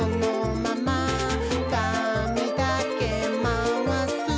「かみだけまわす」